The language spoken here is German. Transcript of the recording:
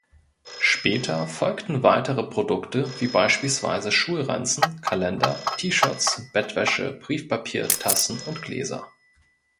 Später folgten weitere Produkte wie beispielsweise Schulranzen, Kalender, T-Shirts, Bettwäsche, Briefpapier, Tassen und Gläser.